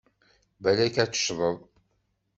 Balak ad teccḍeḍ!